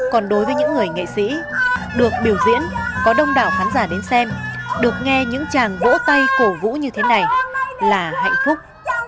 còn đối với những người nghệ sĩ được biểu diễn có đông đảo khán giả đến xem được nghe những chàng vỗ tay cổ vũ như thế này là hạnh phúc